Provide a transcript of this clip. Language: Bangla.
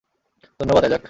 ধন্যবাদ, অ্যাজাক।